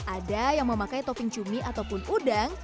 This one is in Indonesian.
ada yang memakai topping cumi ataupun udang